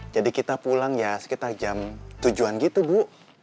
jadi kita pulang ya sekitar jam tujuan gitu bu